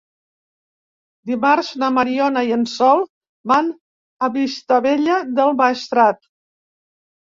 Dimarts na Mariona i en Sol van a Vistabella del Maestrat.